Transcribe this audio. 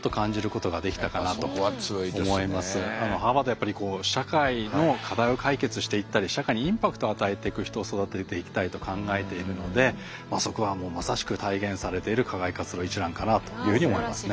やっぱりこう社会の課題を解決していったり社会にインパクトを与えていく人を育てていきたいと考えているのでそこはもうまさしく体現されている課外活動一覧かなというふうに思いますね。